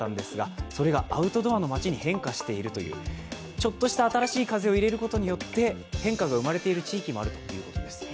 ちょっとした新しい風を入れることによって変化が生まれている地域もあるということです。